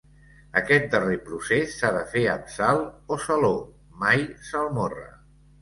Aquest darrer procés s'ha de fer amb sal o saló, mai salmorra.